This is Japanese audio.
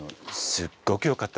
すっごく良かった。